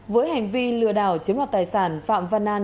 với hành vi lừa đảo chiếm đoạt tài sản phạm văn an